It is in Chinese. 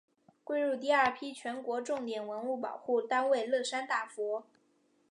归入第二批全国重点文物保护单位乐山大佛。